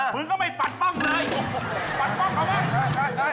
มึงก็ไม่ฝันป้องเลย